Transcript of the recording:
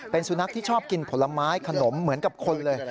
เป็นสุนัขที่ชอบกินผลไม้ขนมเหมือนกับคนเลย